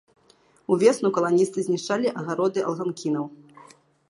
Увесну каланісты знішчалі агароды алганкінаў.